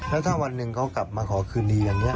แล้วถ้าวันหนึ่งเขากลับมาขอคืนดีอย่างนี้